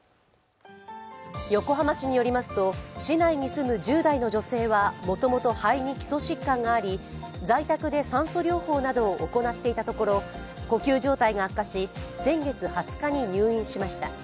横浜市によりますと市内に住む１０代の女性はもともと肺に基礎疾患があり在宅で酸素療法などを行っていたところ呼吸状態が悪化し、先月２０日に入院しました。